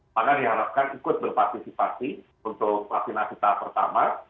maka diharapkan ikut berpartisipasi untuk vaksinasi tahap pertama